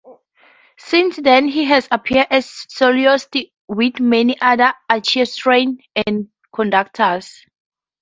Since then he has appeared as soloist with many other orchestras and conductors.